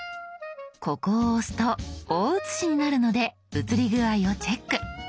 ここを押すと大写しになるので写り具合をチェック。